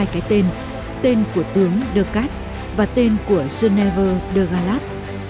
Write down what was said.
trong hai cái tên tên của tướng ducat và tên của geneva de galat